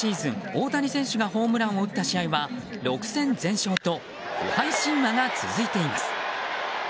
大谷選手がホームランを打った試合は６戦全勝と不敗神話が続いています。